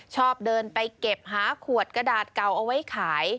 ชอบเดินไปเก็บหาขวดกระดาษเก่าเอาไว้ขาย